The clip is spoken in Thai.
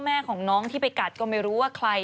แม่ของน้องที่ไปกัดก็ไม่รู้ว่าใคร